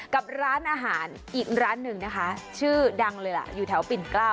กับร้านอาหารอีกร้านหนึ่งนะคะชื่อดังเลยล่ะอยู่แถวปิ่นเกล้า